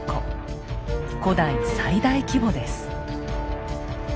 古代最大規模です。